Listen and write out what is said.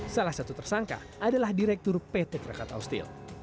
salah satu tersangka adalah direktur pt krakatau steel